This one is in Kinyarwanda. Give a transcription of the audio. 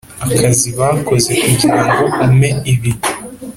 akazi bakoze kugirango umpe ibi